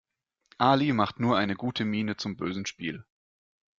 Ali macht nur eine gute Miene zum bösen Spiel.